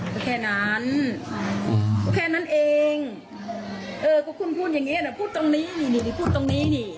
ก็แค่นั้นแค่นั้นเองเออก็คุณพูดอย่างนี้นะพูดตรงนี้นี่นี่พูดตรงนี้นี่